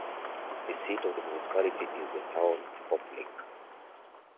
The seat of the municipality is the town Koplik.